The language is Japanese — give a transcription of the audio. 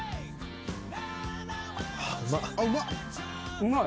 うまい。